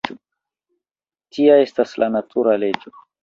Tia estas la natura leĝo.